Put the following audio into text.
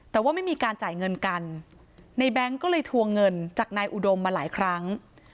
แต่ว่าไม่มีการจ่ายเงินกันในแบงค์ก็เลยทวงเงินจากนายอุดมมาหลายครั้ง